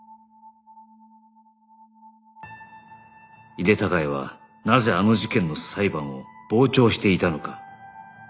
井手孝也はなぜあの事件の裁判を傍聴していたのか